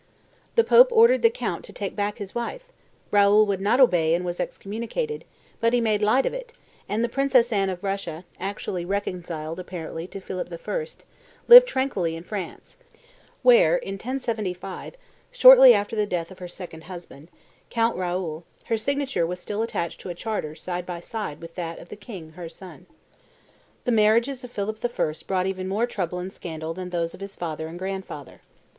The Pope ordered the count to take back his wife; Raoul would not obey, and was excommunicated; but he made light of it, and the Princess Anne of Russia, actually reconciled, apparently, to Philip I., lived tranquilly in France, where, in 1075, shortly after the death of her second husband, Count Raoul her signature was still attached to a charter side by side with that of the king her son. The marriages of Philip I. brought even more trouble and scandal than those of his father and grandfather.